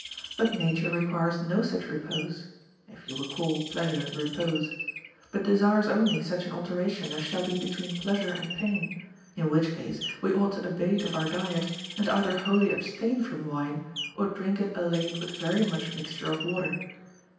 But nature requires no such repose (if you will call pleasure repose), but de sires only such an alteration as shall be between pleasure and pain ; in which case we ought to abate of our diet, and either wholly abstain from wine, or drink it allayed with very much mixture of water.